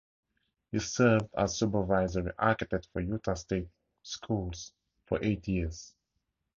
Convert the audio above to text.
He served as Supervisory Architect for Utah State Schools for eight years.